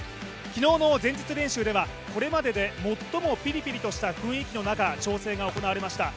昨日の前日練習ではこれまでで最もピリピリした雰囲気の中、調整が行われました。